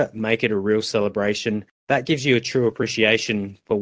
itu memberikan anda penghargaan yang benar untuk apa yang anda miliki